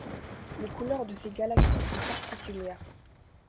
Les couleurs de ces galaxies sont particulières.